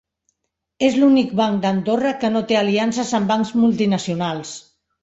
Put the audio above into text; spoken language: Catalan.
És l'únic banc d'Andorra que no té aliances amb bancs multinacionals.